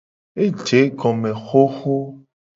Eje egome hoho.